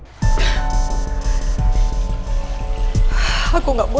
tapi musuh aku bobby